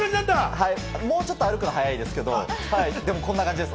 もうちょっと歩くの速いですけど、でもこんな感じです。